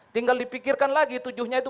tinggal dipikirkan lagi tujuh nya itu